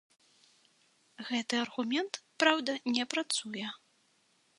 Гэты аргумент, праўда, не працуе.